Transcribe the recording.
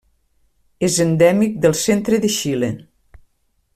És endèmic del centre de Xile.